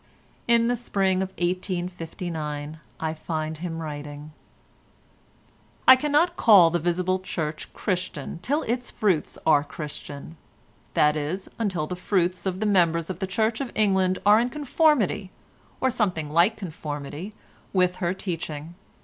In the spring of 1859 I find him writing— "I cannot call the visible Church Christian till its fruits are Christian, that is until the fruits of the members of the Church of England are in conformity, or something like conformity, with her teaching.